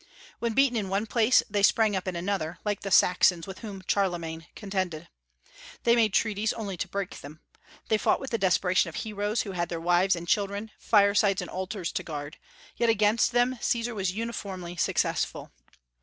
When beaten in one place they sprang up in another, like the Saxons with whom Charlemagne contended. They made treaties only to break them. They fought with the desperation of heroes who had their wives and children, firesides and altars, to guard; yet against them Caesar was uniformly successful.